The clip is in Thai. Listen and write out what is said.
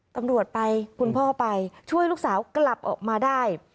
ตำรวจไปคุณพ่อไปช่วยลูกสาวกลับออกมาได้